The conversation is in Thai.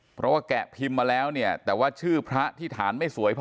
เพราะว่าแกะพิมพ์มาแล้วเนี่ยแต่ว่าชื่อพระที่ฐานไม่สวยพอ